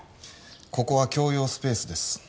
ここは共用スペースです